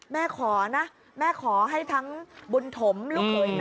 แม่ขอนะแม่ขอให้ทั้งบุญถมลูกหล่วยแม่